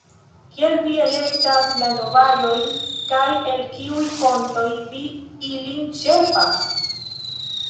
Kiel vi elektas la novaĵojn, kaj el kiuj fontoj vi ilin ĉerpas?